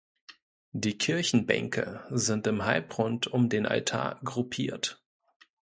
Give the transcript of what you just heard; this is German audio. Die Kirchenbänke sind im Halbrund um den Altar gruppiert.